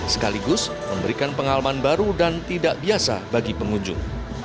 sekaligus memberikan pengalaman baru dan tidak biasa bagi pengunjung